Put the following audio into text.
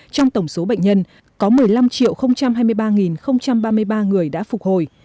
trong tổng số bệnh nhân có một mươi năm hai mươi ba ba mươi ba người đã phục hồi